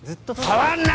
触んな！